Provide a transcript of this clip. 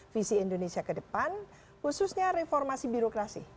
visi indonesia ke depan khususnya reformasi birokrasi